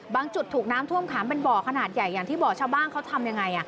จุดถูกน้ำท่วมขังเป็นบ่อขนาดใหญ่อย่างที่บอกชาวบ้านเขาทำยังไง